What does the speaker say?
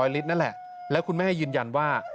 ลิตรนั่นแหละแล้วคุณแม่ยืนยันว่า